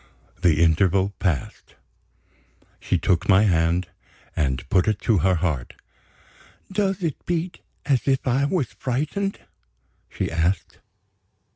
The interval passed. She took my hand, and put it to her heart. "Does it beat as if I was frightened?" she asked.